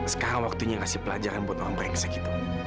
sekarang waktunya kasih pelajaran buat orang berenksa gitu